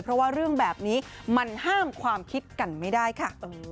เพราะว่าเรื่องแบบนี้มันห้ามความคิดกันไม่ได้ค่ะ